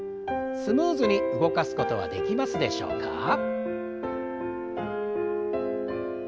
スムーズに動かすことはできますでしょうか？